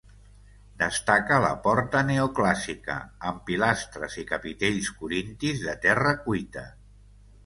Destaca la porta neoclàssica amb pilastres i capitells corintis de terra cuita.